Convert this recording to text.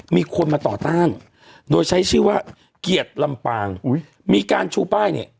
มีคนมาต่อต้านโดยใช้ชื่อว่าเกียรติลำปางอุ้ยมีการชูป้ายเนี่ย